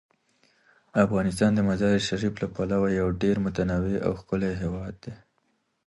افغانستان د مزارشریف له پلوه یو ډیر متنوع او ښکلی هیواد دی.